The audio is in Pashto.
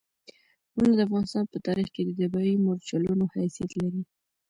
غرونه د افغانستان په تاریخ کې د دفاعي مورچلونو حیثیت لري.